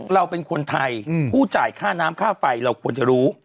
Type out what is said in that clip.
เราเป็นคนไทยผู้จ่ายค่าน้ำค่าไฟเราควรจะรู้